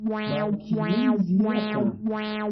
باوکی من زیرەکە.